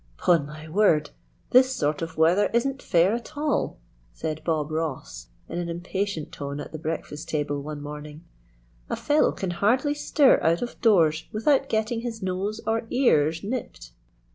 "'Pon my word, this sort of weather isn't fair at all," said Bob Ross, in an impatient tone, at the breakfast table one morning. "A fellow can hardly stir out of doors without getting his nose or ears nipped.